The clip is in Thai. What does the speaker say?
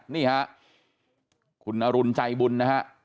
นี่ครับคุณอรุณใจบุญนะครับ